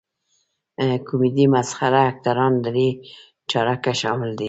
کمیډي مسخره اکټران درې چارکه شامل دي.